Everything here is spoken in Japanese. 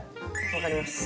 分かります。